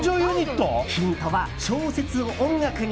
ヒントは小説を音楽に。